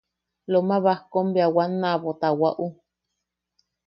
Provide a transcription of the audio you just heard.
Loma Bajkom bea wanna aʼabo taʼawaʼu.